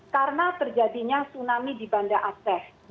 karena terjadinya tsunami di banda aceh